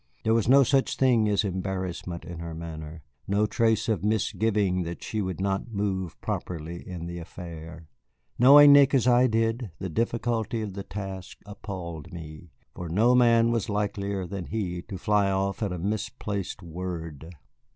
There was no such thing as embarrassment in her manner, no trace of misgiving that she would not move properly in the affair. Knowing Nick as I did, the difficulty of the task appalled me, for no man was likelier than he to fly off at a misplaced word.